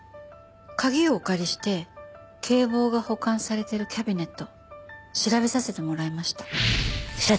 鍵をお借りして警棒が保管されてるキャビネット調べさせてもらいました。